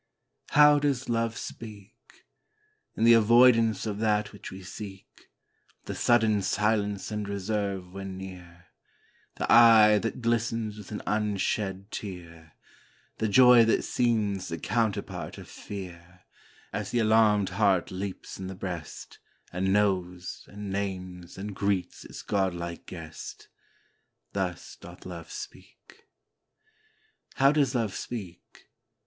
How does Love speak? In the avoidance of that which we seek The sudden silence and reserve when near The eye that glistens with an unshed tear The joy that seems the counterpart of fear, As the alarmed heart leaps in the breast, And knows and names and greets its godlike guest Thus doth Love speak. How does Love speak?